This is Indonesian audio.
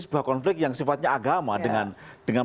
sebuah konflik yang sifatnya agama dengan